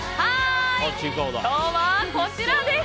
今日はこちらです！